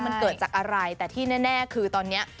มันเกิดจากอะไรแต่ที่แน่คือตอนนี้